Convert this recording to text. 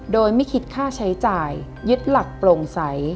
โดยไม่คิดค่าใช้จ่ายยึดหลักโปร่งใส